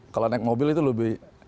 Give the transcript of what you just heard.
kalau naik mobil itu lebih